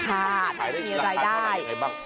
ขายได้ราคาต่อไปยังไงบ้าง